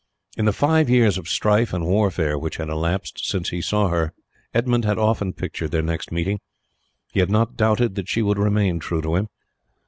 In the five years of strife and warfare which had elapsed since he saw her Edmund had often pictured their next meeting. He had not doubted that she would remain true to him.